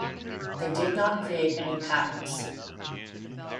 They did not create any patents.